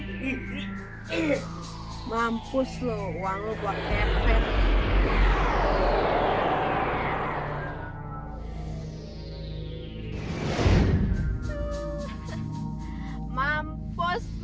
terima kasih terima kasih terima kasih